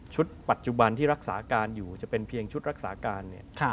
ปัจจุบันที่รักษาการอยู่จะเป็นเพียงชุดรักษาการ